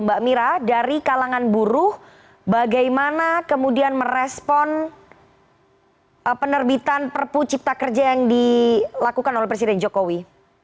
mbak mira dari kalangan buruh bagaimana kemudian merespon penerbitan perpu cipta kerja yang dilakukan oleh presiden jokowi